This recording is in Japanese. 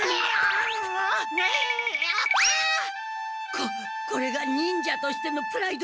ここれが忍者としてのプライド！